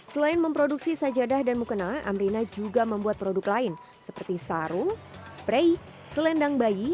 selain memproduksi sajadah dan mukena amrina juga membuat produk lain seperti sarung spray selendang bayi